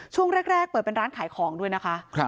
ช่วงแรกเปิดเป็นร้านขายของด้วยนะคะ